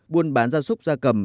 buôn bán gia súc gia cầm